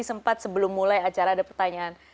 sempat sebelum mulai acara ada pertanyaan